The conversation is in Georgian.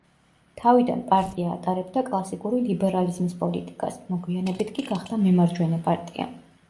თავიდან პარტია ატარებდა კლასიკური ლიბერალიზმის პოლიტიკას, მოგვიანებით კი გახდა მემარჯვენე პარტია.